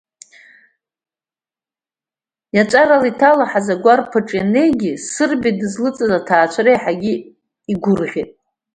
Иаҵәарала иҭалаҳаз агәарԥ аҿы ианнеигьы, Сырбеи дызлыҵыз аҭаацәара иаҳагьы игәырӷьеит.